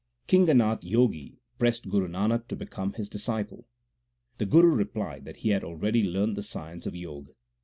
Kinganath Jogi pressed Guru Nanak to become his disciple ; the Guru replied that he had already learned the science of Jog.